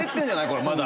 これまだ。